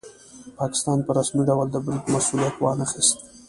پاکستان په رسمي ډول د برید مسوولیت وانه خیست.